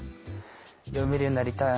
読めるようになりたい。